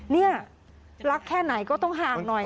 นี่รักแค่ไหนก็ต้องห่างหน่อย